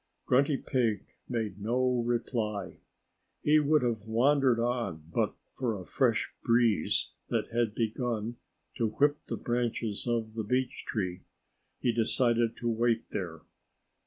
Grunty Pig made no reply. He would have wandered on, but for a fresh breeze that had begun to whip the branches of the beech tree. He decided to wait there.